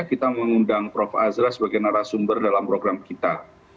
kita mengundang prof azra sebagai narasumber dalam program kita